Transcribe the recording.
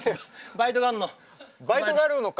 バイトがあるのか。